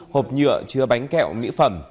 hộp nhựa chứa bánh kẹo mỹ phẩm